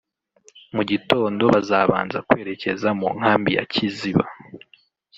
mu gitondo bazabanza kwerekeza mu Nkambi ya Kiziba